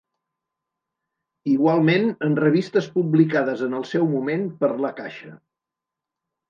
Igualment en revistes publicades en el seu moment per La Caixa.